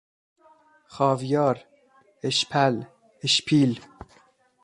خاویار، اشپل، اشپیل